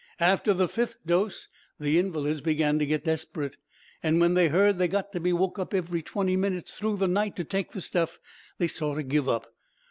"After the fifth dose, the invalids began to get desperate, an' when they heard they'd got to be woke up every twenty minutes through the night to take the stuff, they sort o' give up.